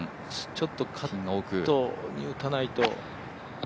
ちょっとカットめに打たないと。